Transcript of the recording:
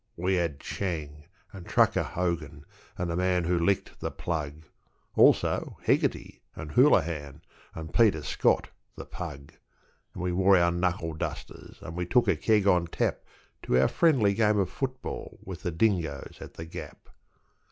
We had Chang, and Trucker Hogan, and the man who licked The Plug, Also Heggarty, and Hoolahan, and Peter Scott, the pug; And we wore our knuckle dusters, and we took a keg on tap To our friendly game of football with The Dingoes at The Gap.